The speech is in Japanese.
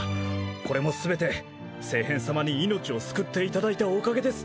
これも全て聖変様に命を救っていただいたおかげです